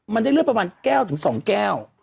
มันได้เลือดประมาณแก้วถึง๒แก้ว